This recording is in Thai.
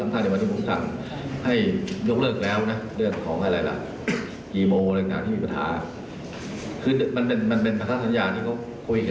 ที่สี่ศูนย์แล้วสมัยชอบเนี่ยนะ